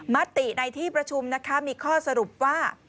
มติในที่ประชุมนะคะมีข้อสรุปว่า